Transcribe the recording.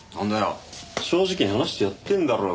正直に話してやってんだろうが。